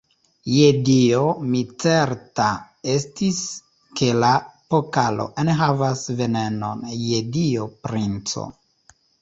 Je Dio, mi certa estis, ke la pokalo enhavas venenon, je Dio, princo!